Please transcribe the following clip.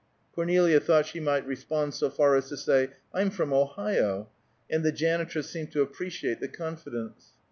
Cornelia thought she might respond so far as to say, "I'm from Ohio," and the janitress seemed to appreciate the confidence.